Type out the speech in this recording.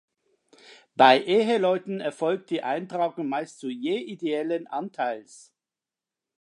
Bei Eheleuten erfolgt die Eintragung meist zu je ideellen Anteils.